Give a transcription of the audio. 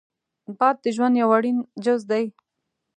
باد د ژوند یو اړین جز دی